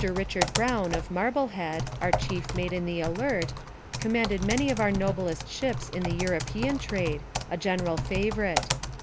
Richard Brown, of Marblehead, our chief mate in the Alert, commanded many of our noblest ships in the European trade, a general favorite.